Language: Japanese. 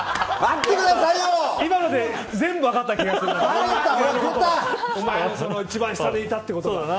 今ので全部分かった気がするな。